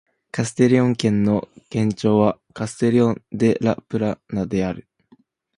カステリョン県の県都はカステリョン・デ・ラ・プラナである